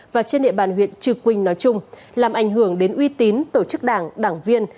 và trên địa bàn huyện trư quynh nói chung làm ảnh hưởng đến uy tín tổ chức đảng đảng viên